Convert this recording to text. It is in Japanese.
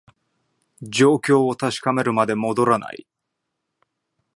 状況を確かめるまで戻らない